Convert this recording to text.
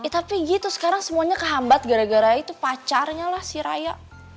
tapi gitu sekarang semuanya kehambat gara gara itu pacarnya lah si raya